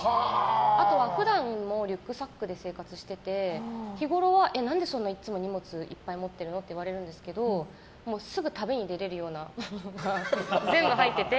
あとは普段もリュックサックで生活してて日ごろは何でいつもそんなに荷物いっぱい持ってるのって言われるんですけどすぐ旅に出られるような感じで全部入ってて。